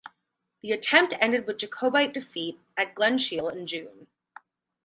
The attempt ended with Jacobite defeat at Glen Shiel in June.